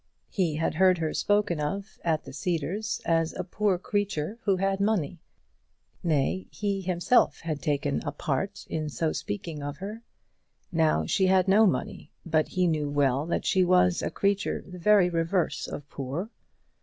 He had heard her spoken of at the Cedars as a poor creature who had money. Nay, he himself had taken a part in so speaking of her. Now she had no money, but he knew well that she was a creature the very reverse of poor.